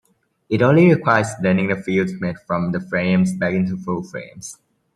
It only requires blending the fields made from the frames back into full frames.